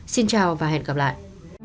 xin chào và hẹn gặp lại